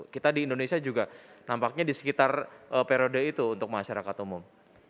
kita di indonesia juga nampaknya di sekitar periode itu untuk masyarakat umum